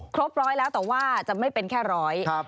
ครบร้อยแล้วแต่ว่าจะไม่เป็นแค่ร้อย